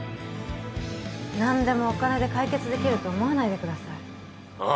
何でもお金で解決できると思わないでくださいああ